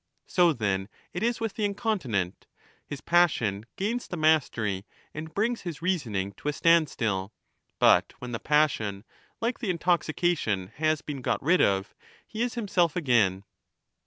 So, then, it is with the incontinent. 5 His passion gains the mastery and brings his reasoning to a standstill. But when the passion, like the intoxication, has been got rid of, he is himself again.